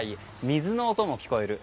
水の音も聞こえる。